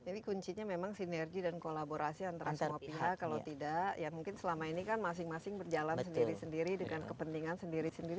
jadi kuncinya memang sinergi dan kolaborasi antara semua pihak kalau tidak mungkin selama ini kan masing masing berjalan sendiri sendiri dengan kepentingan sendiri sendiri